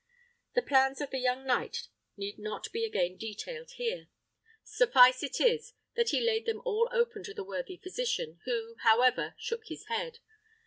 The plans of the young knight need not be again detailed here. Suffice it that he laid them all open to the worthy physician, who, however, shook his head.